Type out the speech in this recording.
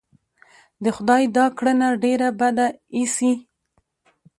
د خدای دا کړنه ډېره بده اېسي.